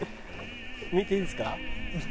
見ていいですか？